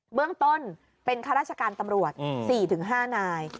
เบื้องต้นเป็นคาราชการตำรวจสี่ถึงห้านาย